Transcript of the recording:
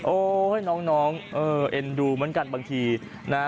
โอ้โฮน้องเอ็นดูเหมือนกันบางทีนะ